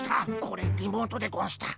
これリモートでゴンした。